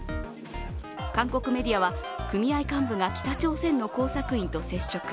韓国メディアは組合幹部が北朝鮮の工作員と接触。